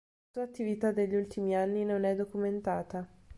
La sua attività degli ultimi anni non è documentata.